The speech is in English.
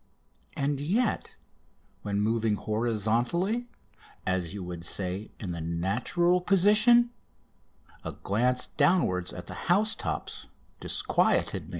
And yet when moving horizontally as you would say, in the natural position a glance downwards at the house tops disquieted me.